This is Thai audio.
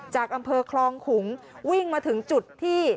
จากอำเภอคลองขุงวิ่งมาถึงจุดที่